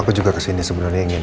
aku juga kesini sebenarnya ingin